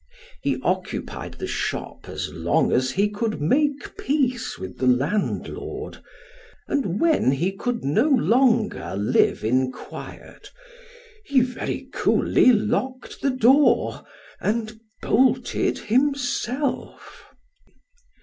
He occupied the shop as long as he could make peace with the landlord, and when he could no longer live in quiet, he very coolly locked the door, and bolted himself.